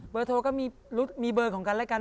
โทรก็มีเบอร์ของกันและกัน